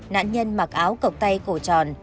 nạn nhân mặc áo cộc tay cổ tròn